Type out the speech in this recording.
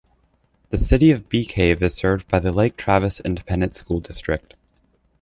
The city of Bee Cave is served by the Lake Travis Independent School District.